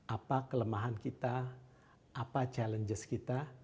apa kelemahan kita apa challenges kita